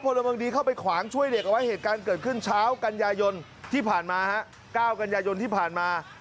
พลเมิงดีเข้าไปขวางช่วยเด็กเอาไว้เหตุการณ์เกิดขึ้นเช้ากัญญายนที่ผ่านมาฮะ